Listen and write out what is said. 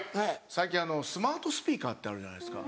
最近あのスマートスピーカーってあるじゃないですか。